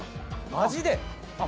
マジで？